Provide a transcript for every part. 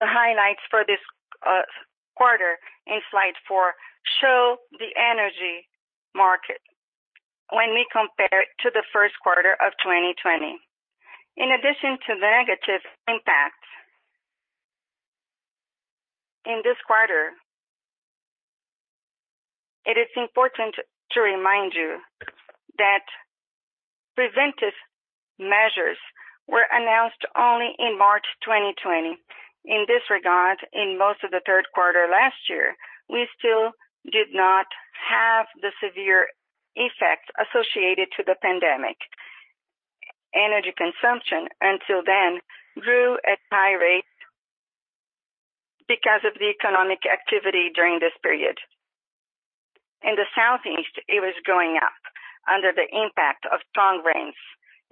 The highlights for this quarter in slide four show the energy market when we compare it to the first quarter of 2020. In addition to the negative impacts in this quarter, it is important to remind you that preventive measures were announced only in March 2020. In this regard, in most of the third quarter last year, we still did not have the severe effects associated to the pandemic. Energy consumption until then grew at high rates because of the economic activity during this period. In the Southeast, it was going up under the impact of strong rains.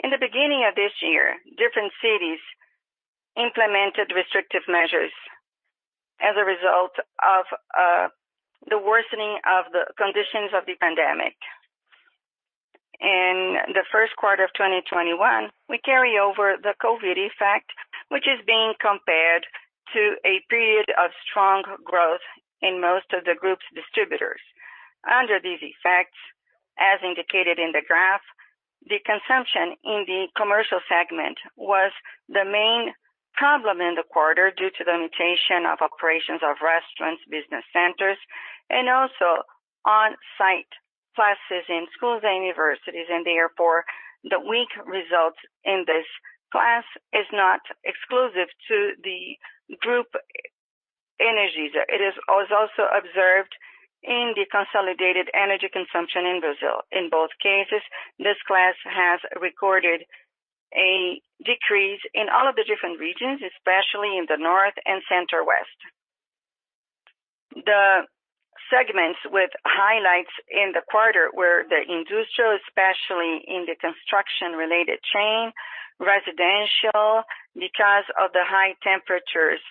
In the beginning of this year, different cities implemented restrictive measures as a result of the worsening of the conditions of the pandemic. In the first quarter of 2021, we carry over the COVID effect, which is being compared to a period of strong growth in most of the group's distributors. Under these effects, as indicated in the graph, the consumption in the commercial segment was the main problem in the quarter due to the limitation of operations of restaurants, business centers, and also on-site classes in schools and universities, and therefore the weak result in this class is not exclusive to the group Energisa. It is also observed in the consolidated energy consumption in Brazil. In both cases, this class has recorded a decrease in all of the different regions, especially in the North and Center-West. The segments with highlights in the quarter were the industrial, especially in the construction-related chain, residential because of the high temperatures,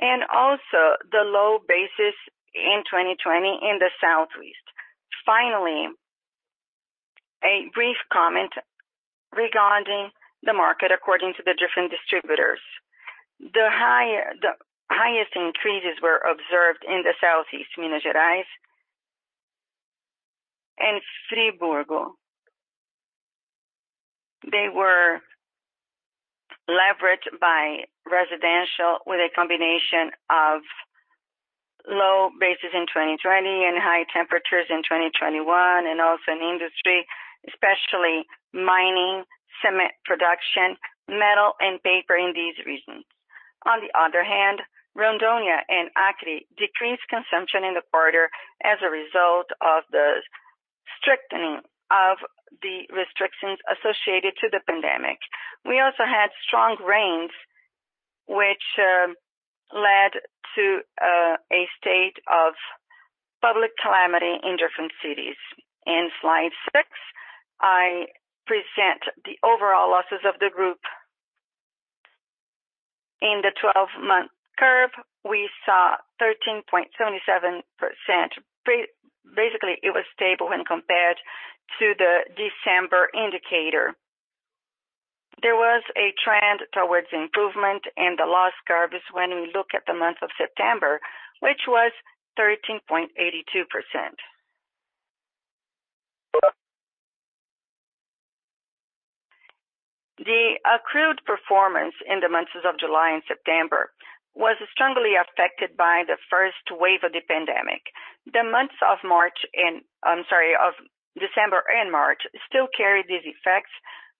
and also the low basis in 2020 in the Southeast. Finally, a brief comment regarding the market according to the different distributors. The highest increases were observed in the Southeast, Minas Gerais and Ceará. They were leveraged by residential with a combination of low bases in 2020 and high temperatures in 2021, also in industry, especially mining, cement production, metal, and paper in these regions. On the other hand, Rondônia and Acre decreased consumption in the quarter as a result of the tightening of the restrictions associated to the pandemic. Wenalso had strong rains, which led to a state of public calamity in different cities. In slide six, I present the overall losses of the group. In the 12-month curve, we saw 13.7%. Basically, it was stable when compared to the December indicator. There was a trend towards improvement in the loss curves when we look at the month of September, which was 13.82%. The accrued performance in the months of July and September was strongly affected by the first wave of the pandemic. The months of December and March still carry these effects,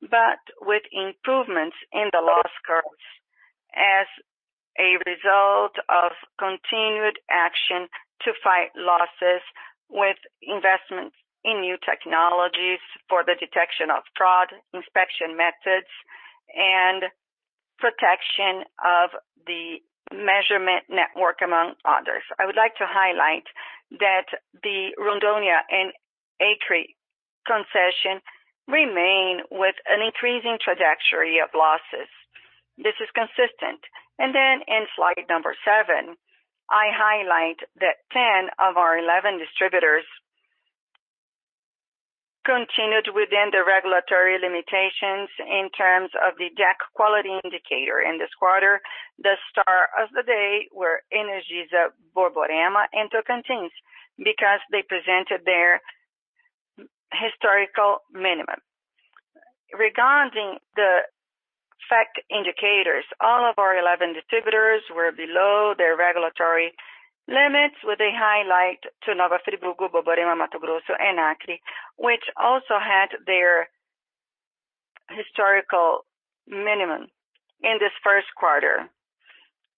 but with improvements in the loss curves as a result of continued action to fight losses with investments in new technologies for the detection of fraud, inspection methods, and protection of the measurement network, among others. I would like to highlight that the Rondônia and Acre concessions remain with an increasing trajectory of losses. This is consistent. In slide number seven, I highlight that 10 of our 11 distributors continued within the regulatory limitations in terms of the DEC quality indicator. In this quarter, the star of the day were Energisa Borborema and Tocantins because they presented their historical minimum. Regarding the FEC indicators, all of our 11 distributors were below their regulatory limits with a highlight to Nova Friburgo, Borborema, Mato Grosso, and Acre, which also had their historical minimum in this first quarter.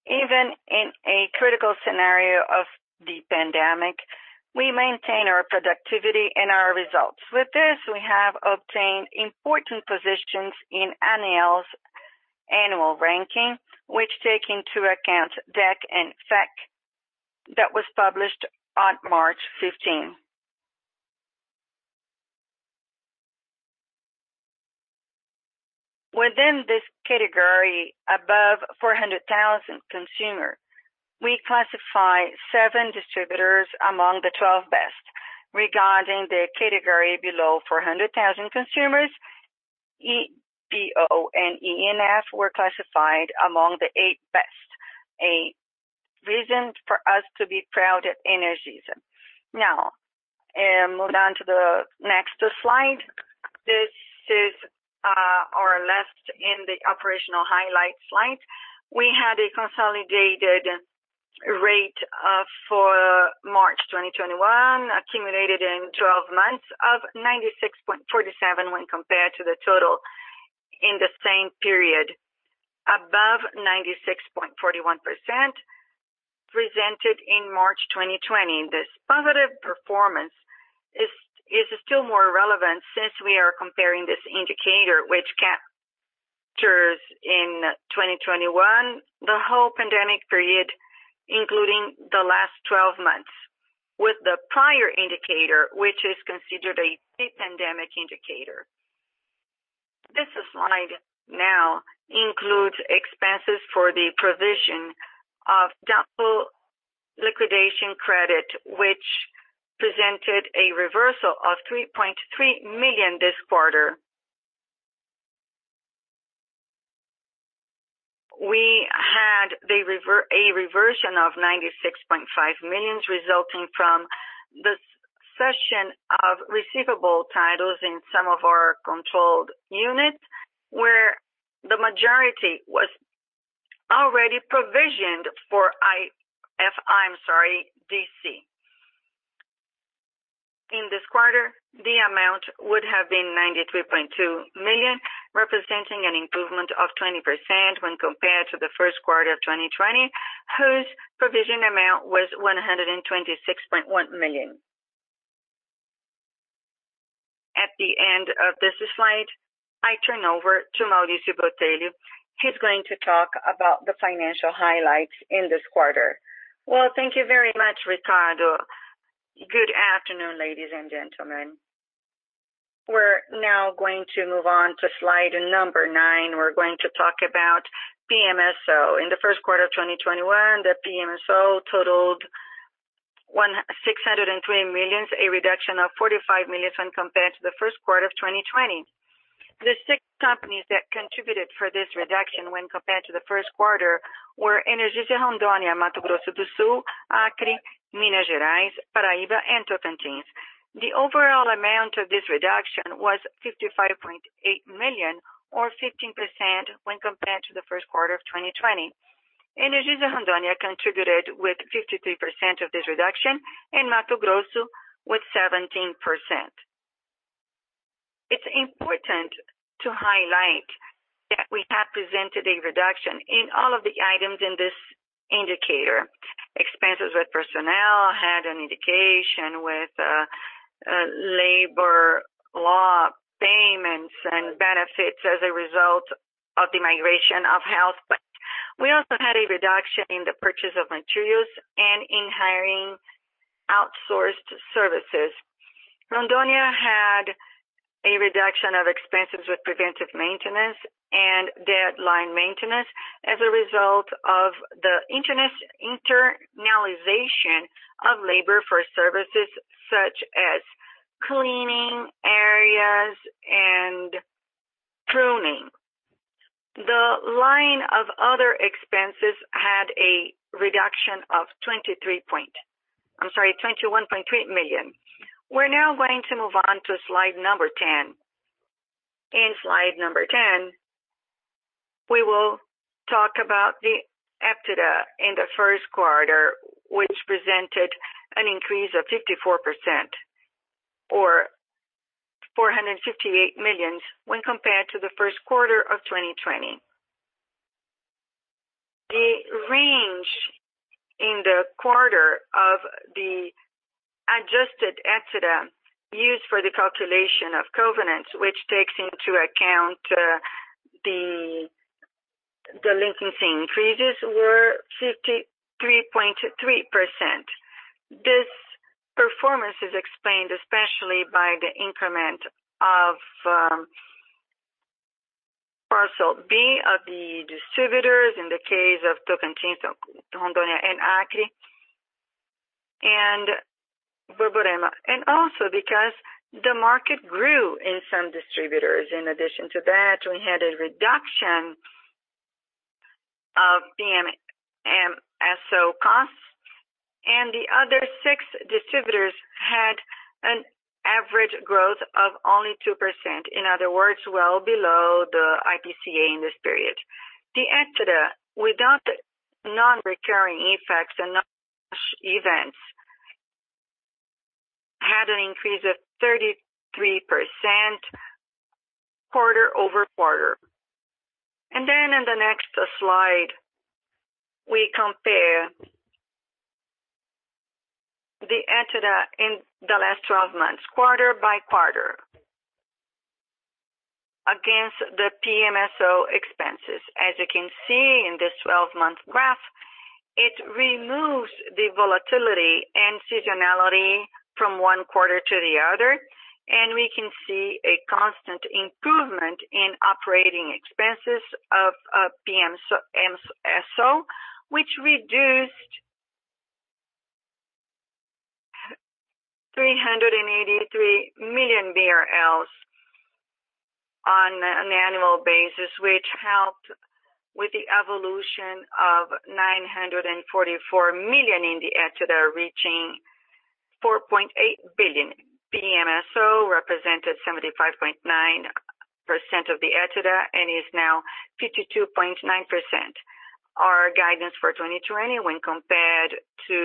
Even in a critical scenario of the pandemic, we maintain our productivity and our results. With this, we have obtained important positions in ANEEL's annual ranking, which take into account DEC and FEC, that was published on March 15. Within this category above 400,000 consumers, we classify seven distributors among the 12 best. Regarding the category below 400,000 consumers, EBO and ENF were classified among the eight best. A reason for us to be proud of Energisa. Moving on to the next slide. This is our last in the operational highlights slide. We had a consolidated rate for March 2021 accumulated in 12 months of 96.47% when compared to the total in the same period above 96.41% presented in March 2020. This positive performance is still more relevant since we are comparing this indicator which captures in 2021 the whole pandemic period, including the last 12 months, with the prior indicator, which is considered a pre-pandemic indicator. This slide now includes expenses for the provision of doubtful liquidation credit, which presented a reversal of 3.3 million this quarter. We had a reversion of 96.5 million, resulting from the cession of receivable titles in some of our controlled units, where the majority was already provisioned for DC. In this quarter, the amount would have been 93.2 million, representing an improvement of 20% when compared to the first quarter of 2020, whose provision amount was 126.1 million. At the end of this slide, I turn over to Maurício Botelho. He's going to talk about the financial highlights in this quarter. Well, thank you very much, Ricardo. Good afternoon, ladies and gentlemen. We're now going to move on to slide number 9. We're going to talk about PMSO. In the first quarter of 2021, the PMSO totaled 620 million, a reduction of 45 million when compared to the first quarter of 2020. The six companies that contributed to this reduction when compared to the first quarter were Energisa Rondônia, Mato Grosso do Sul, Acre, Minas Gerais, Paraíba, and Tocantins. The overall amount of this reduction was 55.8 million or 15% when compared to the first quarter of 2020. Energisa Rondônia contributed with 53% of this reduction and Mato Grosso with 17%. It's important to highlight that we have presented a reduction in all of the items in this indicator. Expenses with personnel had an indication with labor law payments and benefits as a result of the migration of health plans. We also had a reduction in the purchase of materials and in hiring outsourced services. Rondônia had a reduction of expenses with preventive maintenance and deadline maintenance as a result of the internalization of labor for services such as cleaning areas and pruning. The line of other expenses had a reduction of 21.3 million. We're now going to move on to slide number 10. In slide number 10, we will talk about the EBITDA in the first quarter, which presented an increase of 54% or 458 million when compared to the first quarter of 2020. The range in the quarter of the adjusted EBITDA used for the calculation of covenants, which takes into account the leasing increases, were 53.3%. This performance is explained especially by the increment of Parcel B of the distributors in the case of Tocantins, Rondônia, and Acre, and Borborema, and also because the market grew in some distributors. In addition to that, we had a reduction of PMSO costs, and the other six distributors had an average growth of only 2%, in other words, well below the IPCA in this period. The EBITDA without the non-recurring effects and non-cash events had an increase of 33% quarter-over-quarter. In the next slide, we compare the EBITDA in the last 12 months, quarter by quarter, against the PMSO expenses. As you can see in this 12-month graph, it removes the volatility and seasonality from one quarter to the other, and we can see a constant improvement in operating expenses of PMSO, which reduced BRL 383 million on an annual basis, which helped with the evolution of 944 million in the EBITDA, reaching 4.8 billion. PMSO represented 75.9% of the EBITDA and is now 52.9%. Our guidance for 2020 when compared to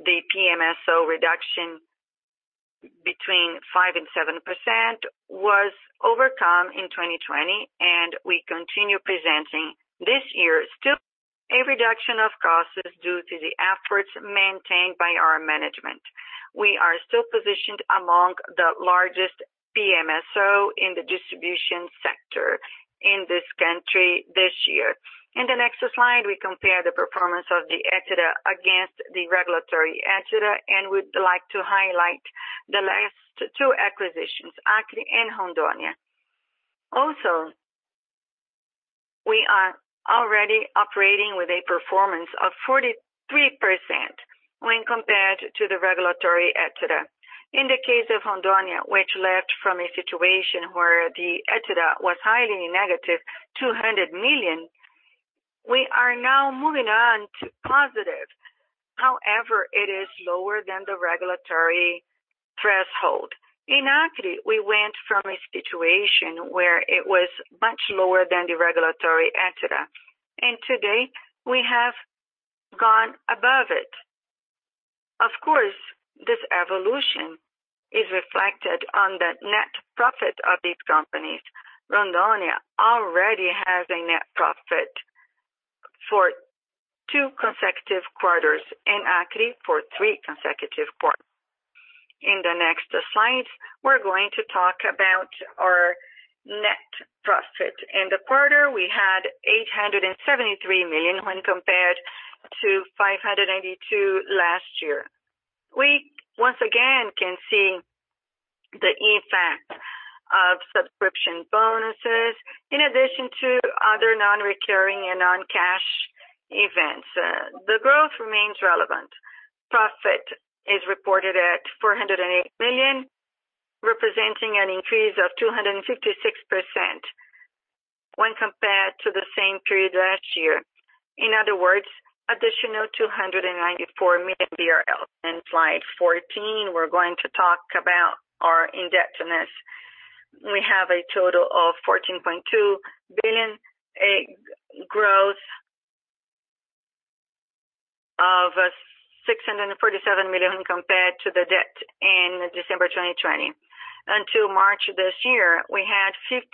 the PMSO reduction between 5% and 7%, was overcome in 2020. We continue presenting this year still a reduction of costs due to the efforts maintained by our management. We are still positioned among the largest PMSO in the distribution sector in this country this year. In the next slide, we compare the performance of the EBITDA against the regulatory EBITDA. We'd like to highlight the last two acquisitions, Acre and Rondônia. We are already operating with a performance of 43% when compared to the regulatory EBITDA. In the case of Rondônia, which left from a situation where the EBITDA was highly negative, 200 million, we are now moving on to positive. It is lower than the regulatory threshold. In Acre, we went from a situation where it was much lower than the regulatory EBITDA, and today we have gone above it. This evolution is reflected on the net profit of these companies. Rondônia already has a net profit for two consecutive quarters, and Acre for three consecutive quarters. In the next slide, we're going to talk about our net profit. In the quarter, we had 873 million when compared to 582 million last year. We once again can see the effect of subscription bonuses in addition to other non-recurring and non-cash events. The growth remains relevant. Profit is reported at 408 million, representing an increase of 256% when compared to the same period last year. In other words, additional 294 million BRL. In slide 14, we're going to talk about our indebtedness. We have a total of 14.2 billion, a growth of 637 million when compared to the debt in December 2020. Until March of this year, we had 15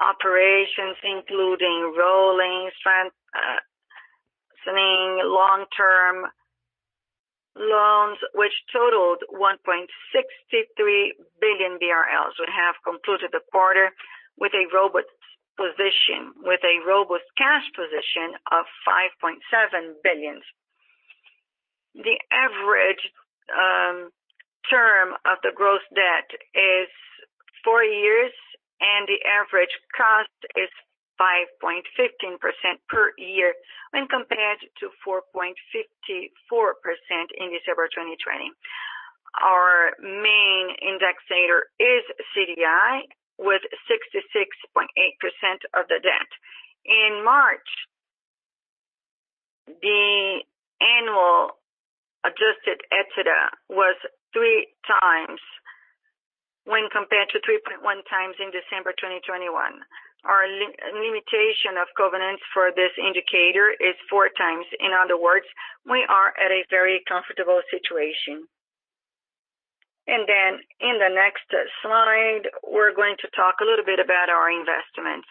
operations, including rolling, strengthening long term loans, which totaled 1.63 billion BRL. We have concluded the quarter with a robust cash position of 5.7 billion. The average term of the gross debt is four years, and the average cost is 5.15% per year when compared to 4.64% in December 2020. Our main index there is CDI with 66.8% of the debt. In March, the annual adjusted EBITDA was 3x when compared to 3.1x in December 2021. Our limitation of governance for this indicator is 4x. We are at a very comfortable situation. In the next slide, we're going to talk a little bit about our investments.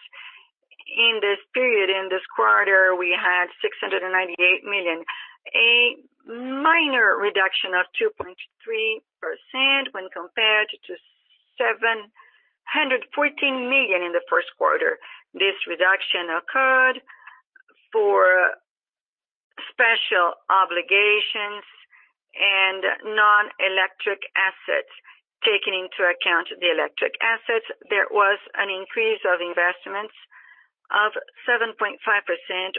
In this period, in this quarter, we had 698 million, a minor reduction of 2.3% when compared to 714 million in the first quarter. This reduction occurred for special obligations and non-electric assets. Taking into account the electric assets, there was an increase of investments of 7.5%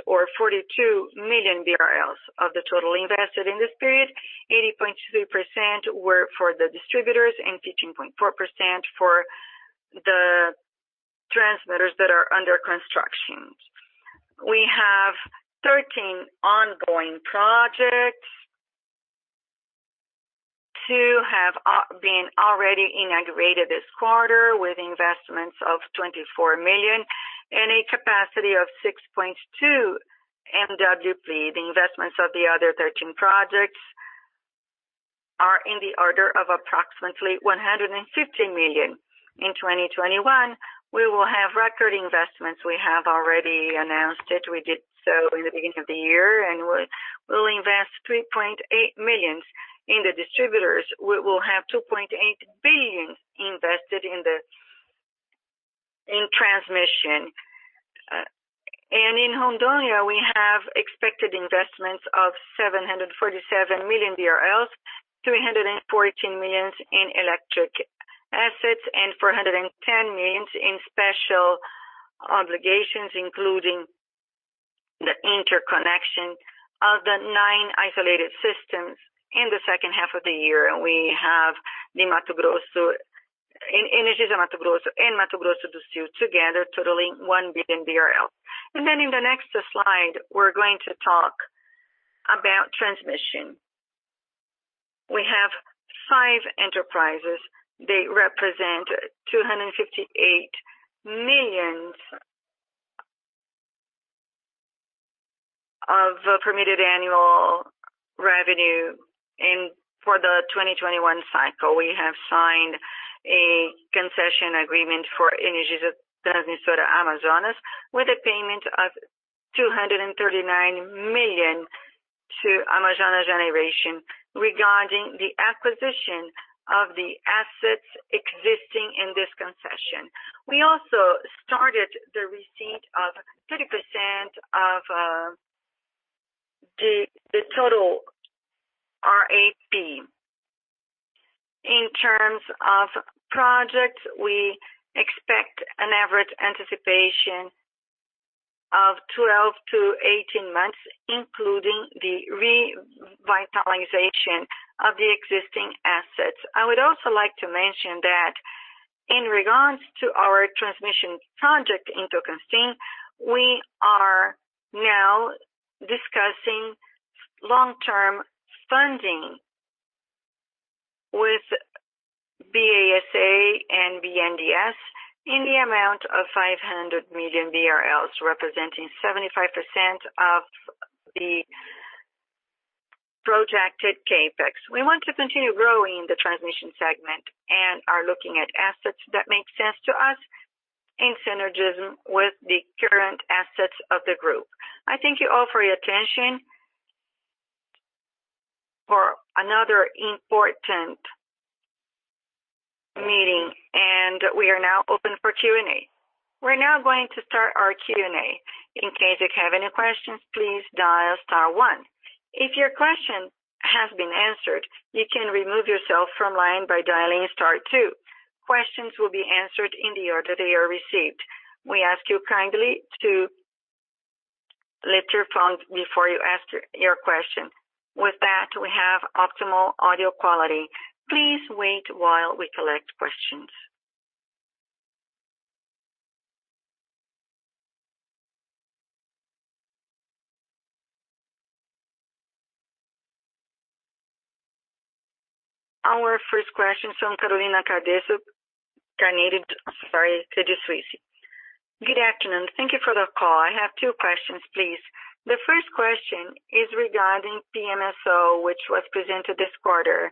or 42 million BRL. Of the total invested in this period, 8.3% were for the distributors and 15.4% for the transmitters that are under construction. We have 13 ongoing projects. Two have been already inaugurated this quarter with investments of 24 million and a capacity of 6.2 MWp. The investments of the other 13 projects are in the order of approximately 150 million. In 2021, we will have record investments. We have already announced it. We did so in the beginning of the year, we'll invest 3.8 million in the distributors. We will have 2.8 billion invested in transmission. In Rondônia, we have expected investments of 747 million, 314 million in electric assets and 410 million in special obligations, including interconnection of the nine isolated systems in the second half of the year. We have Energisa Mato Grosso and Mato Grosso do Sul together, totaling 1 billion BRL. In the next slide, we're going to talk about transmission. We have five enterprises. They represent BRL 258 million of permitted annual revenue for the 2021 cycle. We have signed a concession agreement for Energisa Amazonas, with a payment of 239 million to Amazonas Generation regarding the acquisition of the assets existing in this concession. We also started the receipt of 30% of the total RAP. In terms of projects, we expect an average anticipation of 12 to 18 months, including the revitalization of the existing assets. I would also like to mention that in regards to our transmission project in Tocantins, we are now discussing long-term funding with BASA and BNDES in the amount of 500 million BRL, representing 75% of the projected CapEx. We want to continue growing the transmission segment and are looking at assets that make sense to us in synergism with the current assets of the group. I thank you all for your attention for another important meeting. We are now open for Q&A. We're now going to start our Q&A. In case you have any questions, please dial star one. If your question has been answered, you can remove yourself from line by dialing star two. Questions will be answered in the order they are received. We ask you kindly to mute your phones before you ask your question. With that, we have optimal audio quality. Please wait while we collect questions. Our first question from Carolina Cardoso. Sorry, Cardoso. Good afternoon. Thank you for the call. I have two questions, please. The first question is regarding PMSO, which was presented this quarter.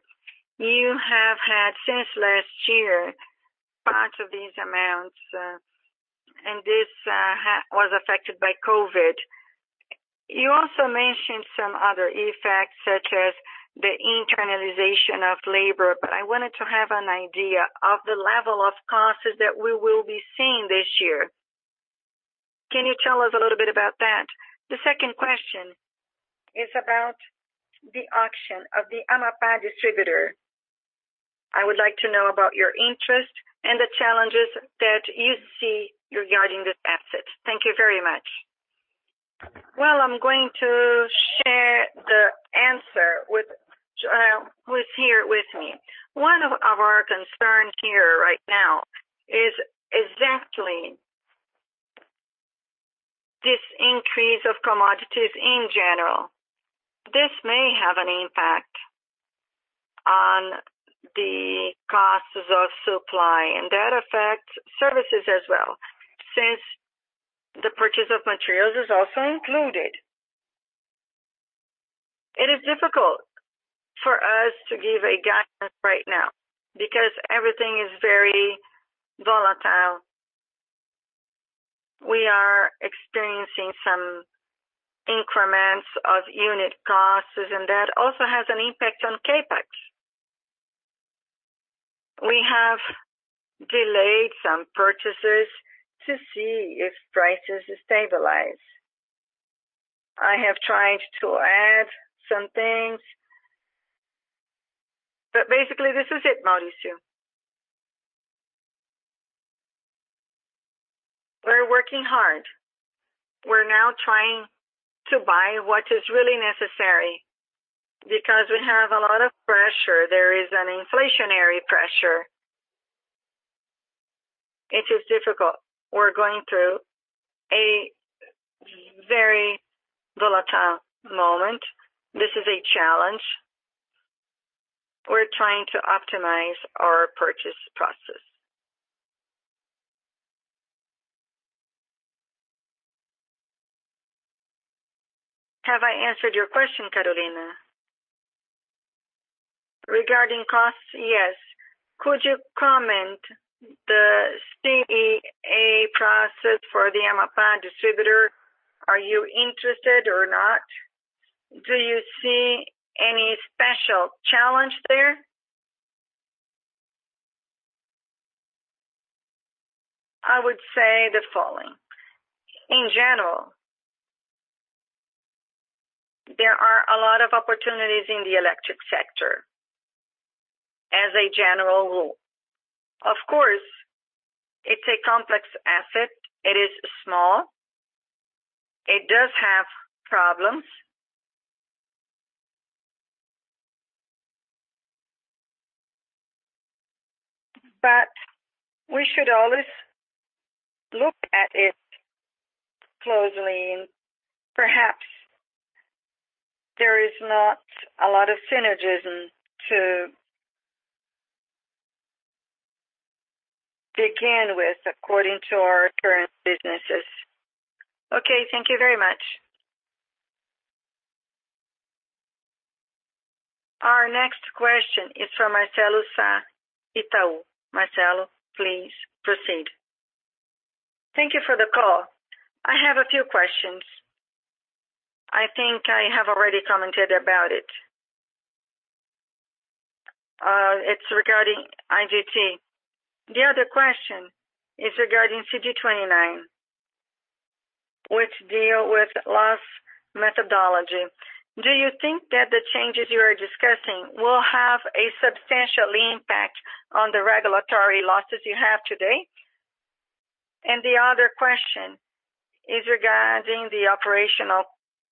You have had since last year parts of these amounts, and this was affected by COVID. You also mentioned some other effects, such as the internalization of labor, but I wanted to have an idea of the level of costs that we will be seeing this year. Can you tell us a little bit about that? The second question is about the auction of the Amapá distributor. I would like to know about your interest and the challenges that you see regarding this asset. Thank you very much. Well, I'm going to share the answer with here with me. One of our concerns here right now is exactly this increase of commodities in general. This may have an impact on the costs of supply, and that affects services as well, since the purchase of materials is also included. It is difficult for us to give a guess right now because everything is very volatile. We are experiencing some increments of unit costs, and that also has an impact on CapEx. We have delayed some purchases to see if prices stabilize. I have tried to add some things, basically, this is it, Maurício. We're working hard. We're now trying to buy what is really necessary because we have a lot of pressure. There is an inflationary pressure. It is difficult. We're going through a very volatile moment. This is a challenge. We're trying to optimize our purchase process. Have I answered your question, Carolina? Regarding costs, yes. Could you comment the CEA process for the Amapá distributor? Are you interested or not? Do you see any special challenge there? I would say the following. In general, there are a lot of opportunities in the electric sector. As a general rule. Of course, it's a complex asset. It is small. It does have problems. We should always look at it closely, and perhaps there is not a lot of synergism to begin with according to our current businesses. Okay, thank you very much. Our next question is from Marcelo Sá, Itaú. Marcelo, please proceed. Thank you for the call. I have a few questions. I think I have already commented about it. It's regarding IGT. The other question is regarding CP 29, which deal with loss methodology. Do you think that the changes you are discussing will have a substantial impact on the regulatory losses you have today? The other question is regarding the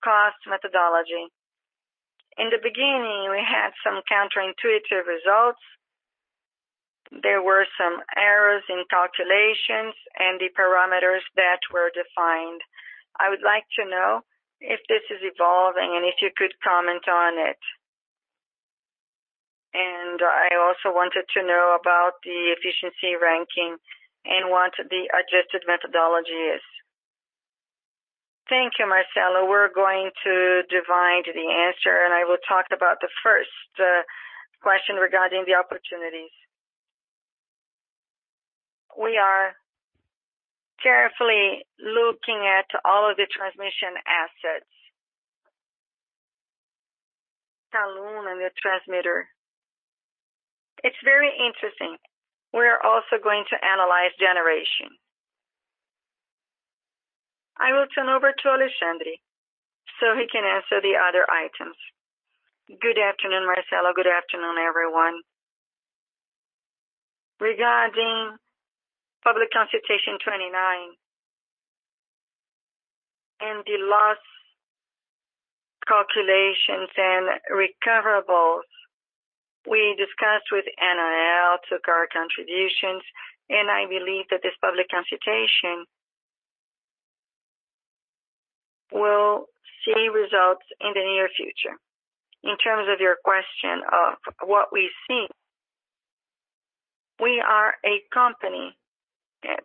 operational cost methodology. In the beginning, we had some counterintuitive results. There were some errors in calculations and the parameters that were defined. I would like to know if this is evolving and if you could comment on it. I also wanted to know about the efficiency ranking and what the adjusted methodology is. Thank you, Marcelo. We're going to divide the answer, and I will talk about the first question regarding the opportunities. We are carefully looking at all of the transmission assets. Saloon and the transmitter. It's very interesting. We're also going to analyze generation. I will turn over to Alexandre so he can answer the other items. Good afternoon, Marcelo Sá. Good afternoon, everyone. Regarding CP 29 and the loss calculations and recoverables, we discussed with ANEEL, took our contributions, and I believe that this public consultation will see results in the near future. In terms of your question of what we've seen, we are a company,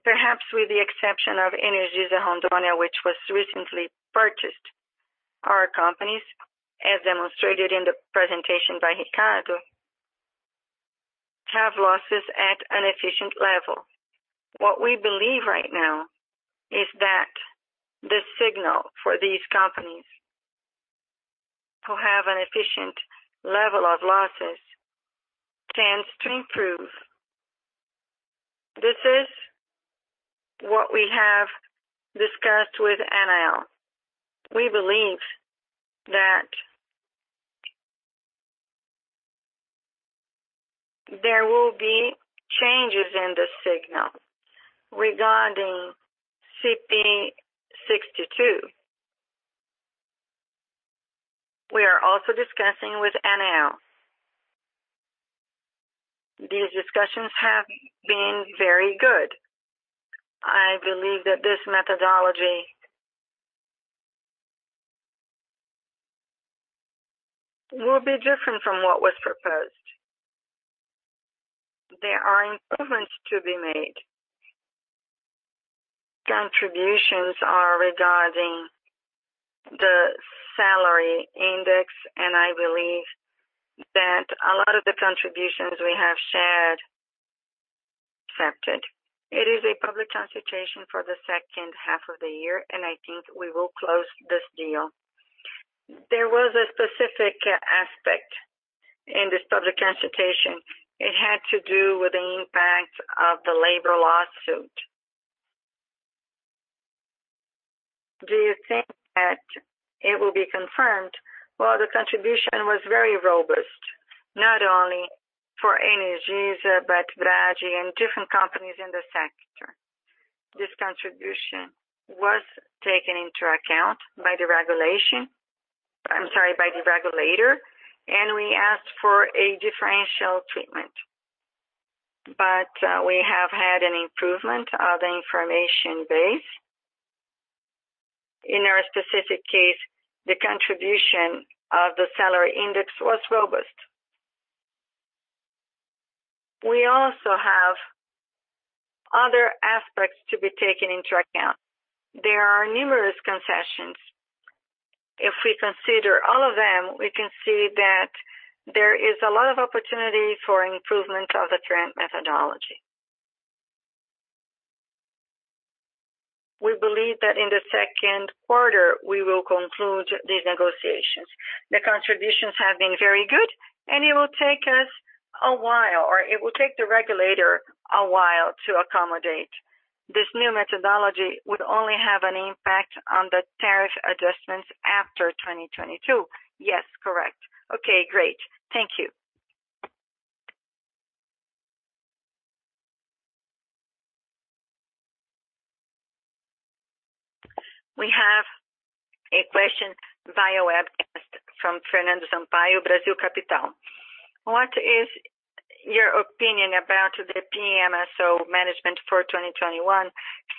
perhaps with the exception of Energisa Rondônia, which was recently purchased. Our companies, as demonstrated in the presentation by Ricardo, have losses at an efficient level. What we believe right now is that the signal for these companies who have an efficient level of losses stands to improve. This is what we have discussed with ANEEL. We believe that there will be changes in the signal regarding CP 62/2020. We are also discussing with ANEEL. These discussions have been very good. I believe that this methodology will be different from what was proposed. There are improvements to be made. Contributions are regarding the salary index. I believe that a lot of the contributions we have shared accepted. It is a public consultation for the second half of the year. I think we will close this deal. There was a specific aspect in this public consultation. It had to do with the impact of the labor lawsuit. Do you think that it will be confirmed? Well, the contribution was very robust, not only for Energisa, but Raizen and different companies in the sector. This contribution was taken into account by the regulation, I'm sorry, by the regulator. We asked for a differential treatment. We have had an improvement of information base. In our specific case, the contribution of the salary index was robust. We also have other aspects to be taken into account. There are numerous concessions. If we consider all of them, we can see that there is a lot of opportunity for improvement of the current methodology. We believe that in the second quarter, we will conclude the negotiations. The contributions have been very good, and it will take us a while, or it will take the regulator a while to accommodate. This new methodology would only have an impact on the tariff adjustments after 2022. Yes, correct. Okay, great. Thank you. We have a question via webcast from Fernando Sampaio, Brasil Capital. What is your opinion about the PMSO management for 2021,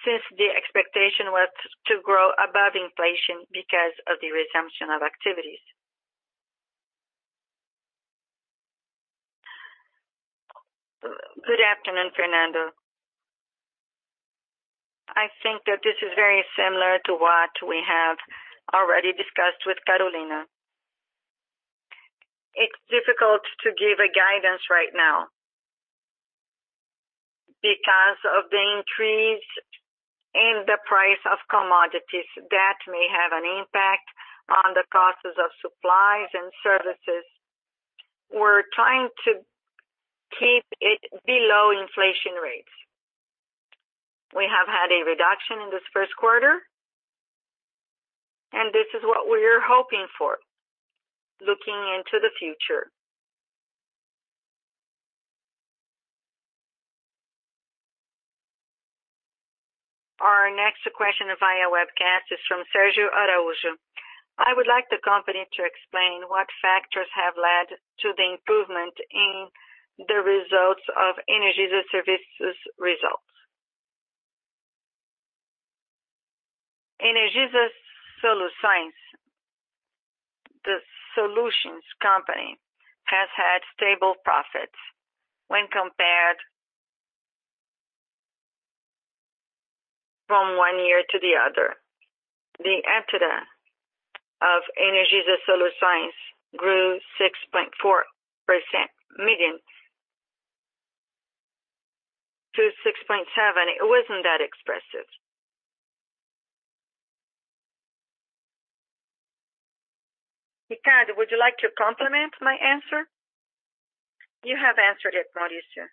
since the expectation was to grow above inflation because of the resumption of activities? Good afternoon, Fernando. I think that this is very similar to what we have already discussed with Carolina. It's difficult to give a guidance right now because of the increase in the price of commodities that may have an impact on the costs of supplies and services. We're trying to keep it below inflation rates. We have had a reduction in this first quarter. This is what we are hoping for looking into the future. Our next question via webcast is from Sergio Araujo. I would like the company to explain what factors have led to the improvement in the results of Energisa Serviços. Energisa Soluções, the solutions company, has had stable profits when compared from one year to the other. The EBITDA of Energisa Soluções grew 6.4 million to 6.7 million. It wasn't that expressive. Ricardo, would you like to complement my answer? You have answered it, Maurício.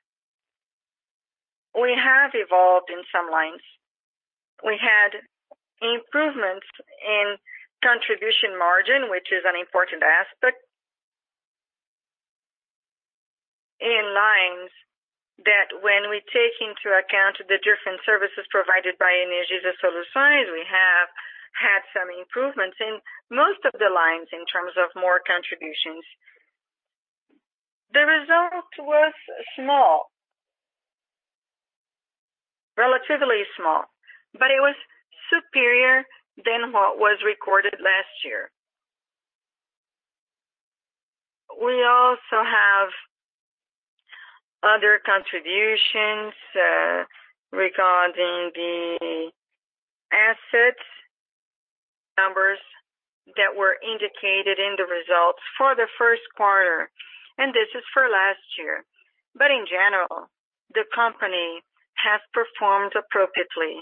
We have evolved in some lines. We had improvements in contribution margin, which is an important aspect in lines that when we take into account the different services provided by Energisa Soluções, we have had some improvements in most of the lines in terms of more contributions. The result was small, relatively small, but it was superior than what was recorded last year. We also have other contributions regarding the asset numbers that were indicated in the results for the first quarter, and this is for last year. In general, the company has performed appropriately.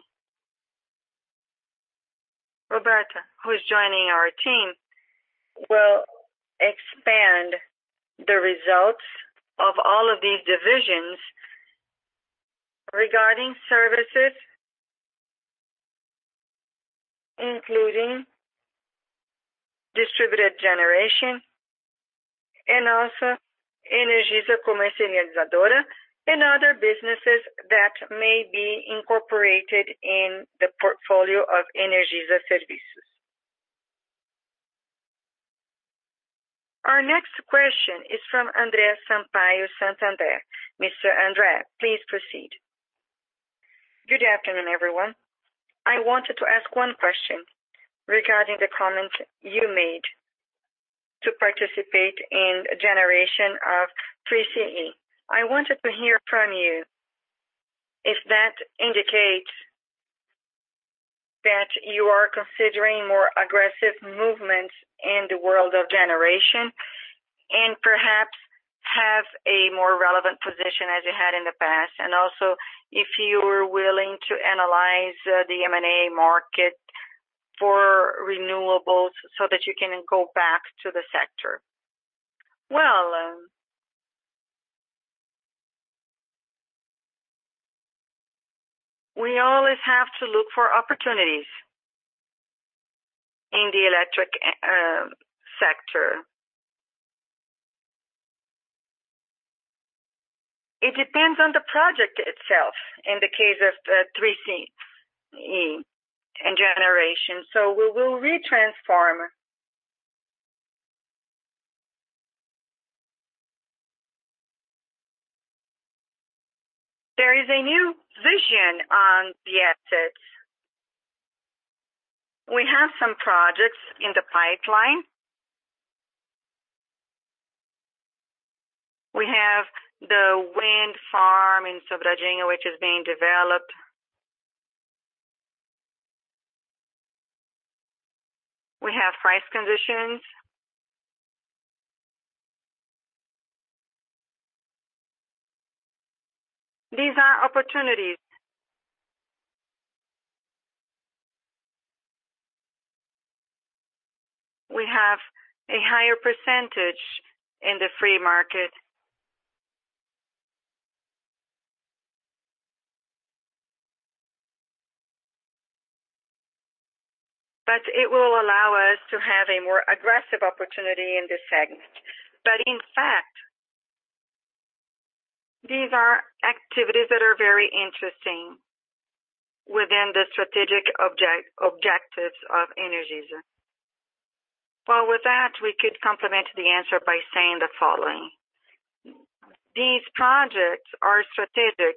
Roberta, who is joining our team, will expand the results of all of these divisions regarding services, including distributed generation and also Energisa Comercializadora and other businesses that may be incorporated in the portfolio of Energisa Services. Our next question is from André Sampaio, Santander. Mr. Andre, please proceed. Good afternoon, everyone. I wanted to ask one question regarding the comment you made to participate in a generation of CCEE. I wanted to hear from you if that indicates that you are considering more aggressive movements in the world of generation and perhaps have a more relevant position as you had in the past, and also if you are willing to analyze the M&A market for renewables so that you can go back to the sector. We always have to look for opportunities in the electric sector. It depends on the project itself in the case of CCEE in generation. We will retransform. There is a new vision on the assets. We have some projects in the pipeline. We have the wind farm in Sobradinho, which is being developed. We have price conditions. These are opportunities. We have a higher percentage in the free market. It will allow us to have a more aggressive opportunity in this segment. In fact, these are activities that are very interesting within the strategic objectives of Energisa. Well, with that, we could complement the answer by saying the following. These projects are strategic.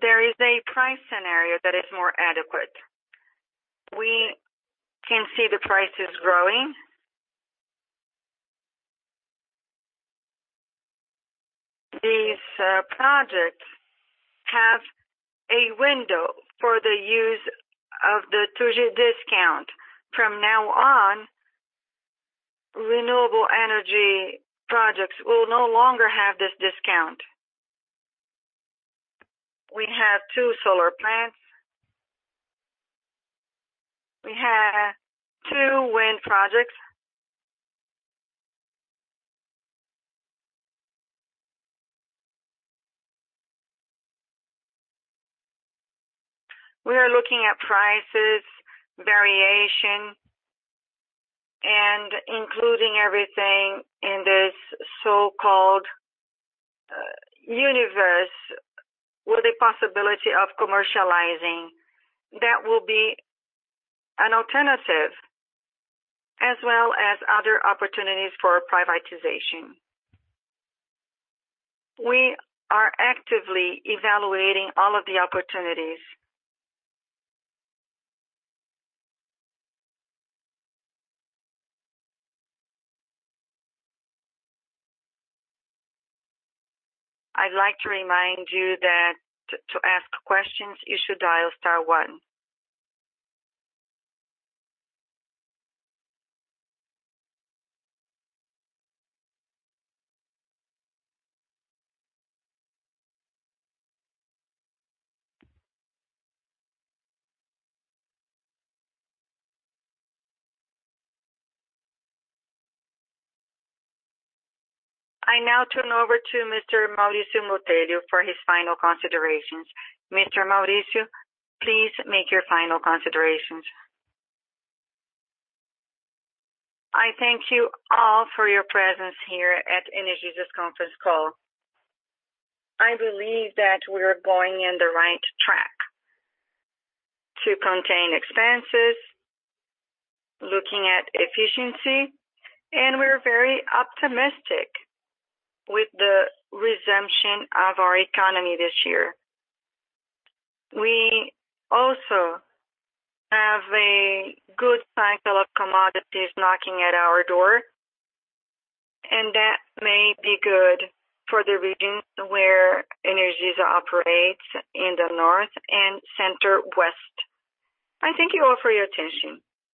There is a price scenario that is more adequate. We can see the prices growing. These projects have a window for the use of the TUSD discount. From now on, renewable energy projects will no longer have this discount. We have two solar plants. We have two wind projects. We are looking at prices, variation, and including everything in this so-called universe with a possibility of commercializing. That will be an alternative, as well as other opportunities for privatization. We are actively evaluating all of the opportunities. I'd like to remind you that to ask questions, you should dial star one. I now turn over to Mr. Maurício Botelho for his final considerations. Mr. Maurício, please make your final considerations. I thank you all for your presence here at Energisa's conference call. I believe that we're going in the right track to contain expenses, looking at efficiency, and we're very optimistic with the resumption of our economy this year. We also have a good cycle of commodities knocking at our door, and that may be good for the regions where Energisa operates in the North and Center West. I thank you all for your attention.